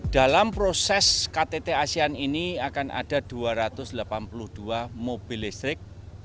dalam proses ktt asean ini akan ada dua ratus delapan puluh dua mobil listrik